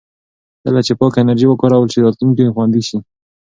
کله چې پاکه انرژي وکارول شي، راتلونکی خوندي شي.